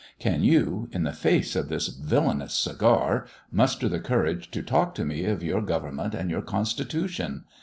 Can you, in the face of this villanous cigar, muster the courage to talk to me of your government and your constitution?